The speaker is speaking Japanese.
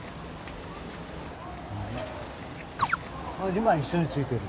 ２枚一緒についてる。